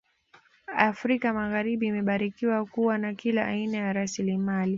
Afrika magharibi imebarikiwa kuwa na kila aina ya rasilimali